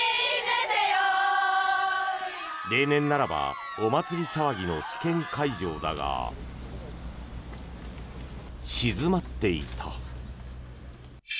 例年ならばお祭り騒ぎの試験会場だが静まっていた。